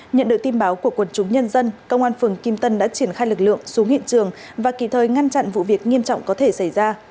nhận được tin báo của quần chúng nhân dân công an phường kim tân đã triển khai lực lượng xuống hiện trường và kỳ thời ngăn chặn vụ việc nghiêm trọng có thể xảy ra